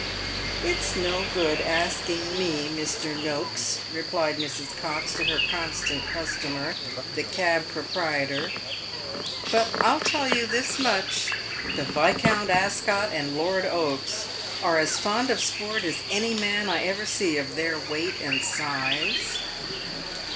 " It's no good asking me, Mr. Noakes," replied Mrs. Cox to her constant customer, the cab proprietor ;" but I'll tell you this much, Viscount Ascot and Lord Oakes are as fond of sport as any man I ever see of their weight and size."